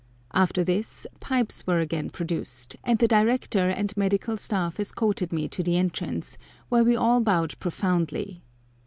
After this pipes were again produced, and the Director and medical staff escorted me to the entrance, where we all bowed profoundly.